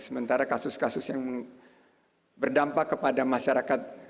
sementara kasus kasus yang berdampak kepada masyarakat